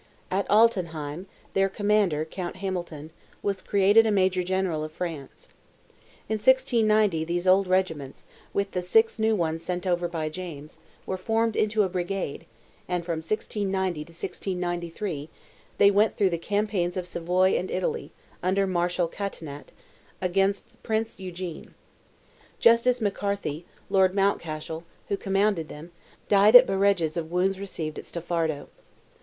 At Altenheim, their commander, Count Hamilton, was created a major general of France. In 1690, these old regiments, with the six new ones sent over by James, were formed into a brigade, and from 1690 to 1693, they went through the campaigns of Savoy and Italy, under Marshal Catinat, against Prince Eugene. Justin McCarthy, Lord Mountcashel, who commanded them, died at Bareges of wounds received at Staffardo.